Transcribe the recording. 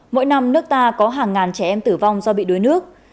mỗi năm nước ta có hàng ngàn trẻ em tử vong do bị đuối nước